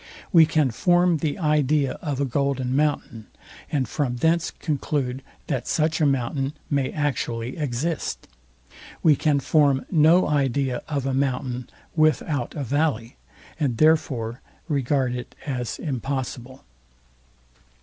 We can form the idea of a golden mountain, and from thence conclude that such a mountain may actually exist. We can form no idea of a mountain without a valley, and therefore regard it as impossible.